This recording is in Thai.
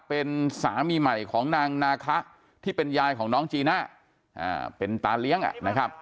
เป็นสามีใหม่ของนางนาคะที่เป็นยายของน้องจีน่าเป็นตาเลี้ยงนะครับ